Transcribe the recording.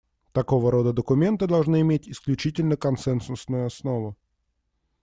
Такого рода документы должны иметь исключительно консенсусную основу.